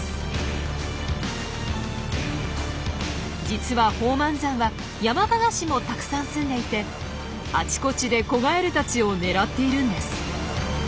実は宝満山はヤマカガシもたくさんすんでいてあちこちで子ガエルたちを狙っているんです。